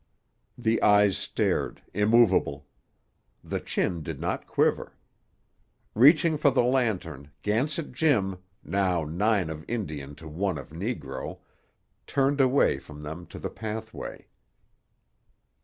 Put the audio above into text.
The eyes stared, immovable. The chin did not quiver. Reaching for the lantern, Gansett Jim, now nine of Indian to one of negro, turned away from them to the pathway.